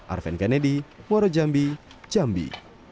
arven kennedy muarajambi jambi